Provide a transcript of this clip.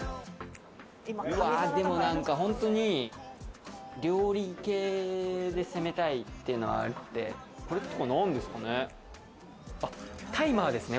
でもなんか本当に、料理系で攻めたいっていうのはあるんで、これとかなんですかね？